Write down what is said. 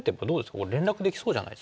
これ連絡できそうじゃないですか？